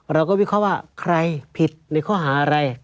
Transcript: เราก็วิเคราะห์ว่าใครผิดในข้อหาอะไร